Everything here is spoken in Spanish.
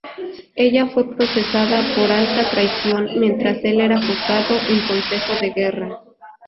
Ella fue procesada por alta traición mientras el era juzgado en consejo de guerra.